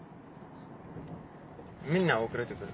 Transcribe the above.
みんな遅れてくる。